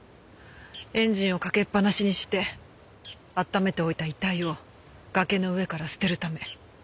エンジンをかけっぱなしにして温めておいた遺体を崖の上から捨てるため。